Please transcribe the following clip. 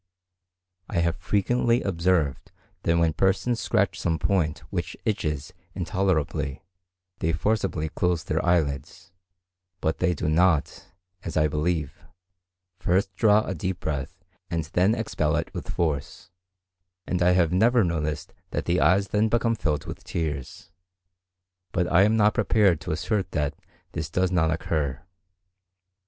I have frequently observed that when persons scratch some point which itches intolerably, they forcibly close their eyelids; but they do not, as I believe, first draw a deep breath and then expel it with force; and I have never noticed that the eyes then become filled with tears; but I am not prepared to assert that this does not occur.